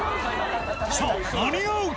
さあ、間に合うか。